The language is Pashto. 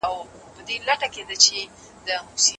د ډیموکراسۍ دوره د هېواد لپاره زرینه مرحله وه.